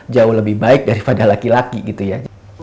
jauh lebih baik daripada laki laki gitu ya